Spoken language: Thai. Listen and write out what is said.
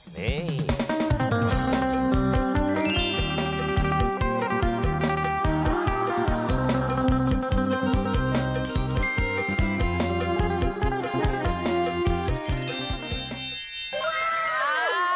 เนี่ย